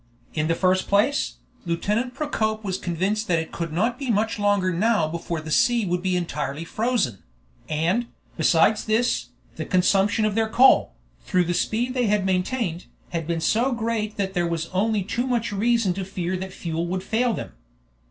In the first place, Lieutenant Procope was convinced that it could not be much longer now before the sea would be entirely frozen; and, besides this, the consumption of their coal, through the speed they had maintained, had been so great that there was only too much reason to fear that fuel would fail them.